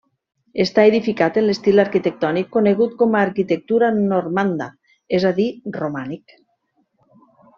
Està edificat en l'estil arquitectònic conegut com a arquitectura normanda, és a dir, romànic.